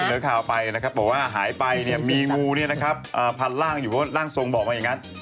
ข่าวไปนะครับบอกว่าหายไปเนี่ยมีงูเนี่ยนะครับพันร่างอยู่เพราะร่างทรงบอกมาอย่างนั้น